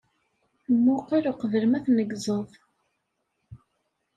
Mmuqqel uqbel ma tneggzeḍ.